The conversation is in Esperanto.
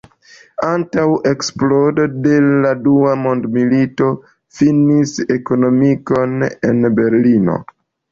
Antaŭ eksplodo de la dua mondmilito finis ekonomikon en Berlino.